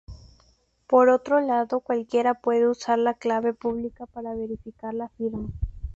Por otro lado cualquiera puede usar la clave pública para verificar la firma.